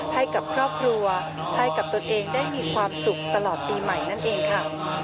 ให้กับครอบครัวให้กับตนเองได้มีความสุขตลอดปีใหม่นั่นเองค่ะ